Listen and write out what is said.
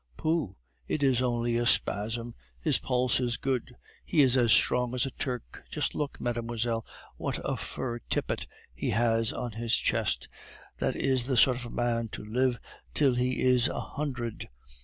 Pooh! it is only a spasm. His pulse is good. He is as strong as a Turk. Just look, mademoiselle, what a fur tippet he has on his chest; that is the sort of man to live till he is a hundred.